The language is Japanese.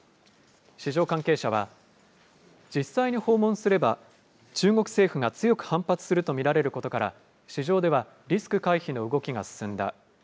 市場関係者は、実際に訪問すれば、中国政府が強く反発すると見られることから、市場ではリスク回避の動きが進んだ。